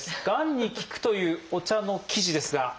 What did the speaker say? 「がんに効く」というお茶の記事ですが。